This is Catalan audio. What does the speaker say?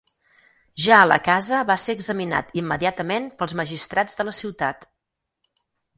Ja a la casa va ser examinat immediatament pels magistrats de la ciutat.